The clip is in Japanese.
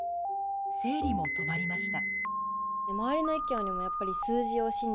生理も止まりました。